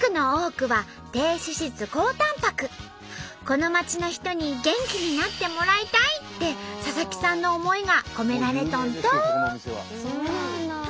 この町の人に元気になってもらいたい！って佐々木さんの思いが込められとんと！